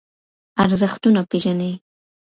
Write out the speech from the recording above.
ارزښتونه پېژنئ.